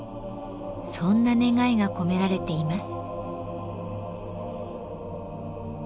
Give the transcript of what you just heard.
そんな願いが込められています。